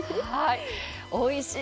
おいしい